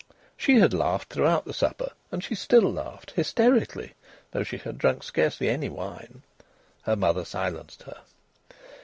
She had laughed throughout the supper, and she still laughed, hysterically, though she had drunk scarcely any wine. Her mother silenced her.